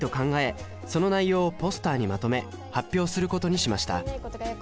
その内容をポスターにまとめ発表することにしました